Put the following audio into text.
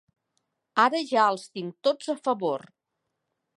Ara ja els tinc tots a favor.